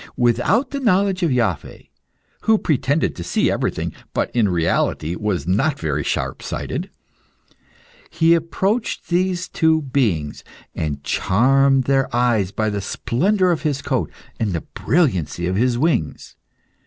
Without the knowledge of Iaveh who pretended to see everything, but, in reality, was not very sharp sighted he approached these two beings, and charmed their eyes by the splendour of his coat and the brilliancy of his wings.